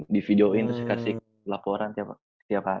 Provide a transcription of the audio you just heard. dividoin terus kasih laporan tiap hari